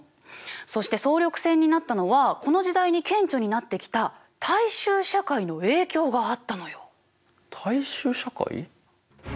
そして総力戦になったのはこの時代に顕著になってきた大衆社会の影響があったのよ。